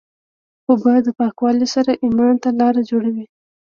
اوبه د پاکوالي سره ایمان ته لاره جوړوي.